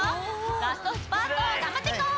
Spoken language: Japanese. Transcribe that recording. ラストスパートがんばっていこう！